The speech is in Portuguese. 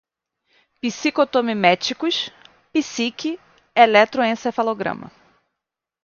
psicotomiméticos, psique, eletroencefalograma